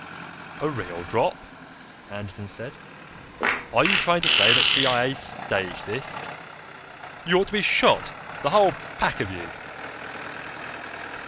"A real drop?" Anderton said. "Are you trying to say that CIA staged this? You ought to be shot, the whole pack of you!"